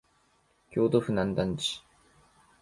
京都府南丹市